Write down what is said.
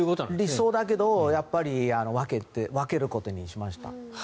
理想だけど分けることにしました。